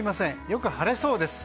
よく晴れそうです。